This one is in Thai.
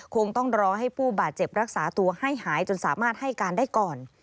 คงต้องรอให้ผู้บาดเจ็บรักษาตัวให้หายจนสามารถให้การได้ก่อน